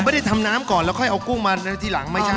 ไม่ได้ทำน้ำก่อนแล้วค่อยเอากุ้งมาในทีหลังไม่ใช่